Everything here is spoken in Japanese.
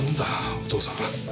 お義父さん。